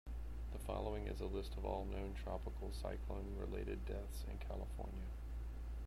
The following is a list of all known tropical cyclone-related deaths in California.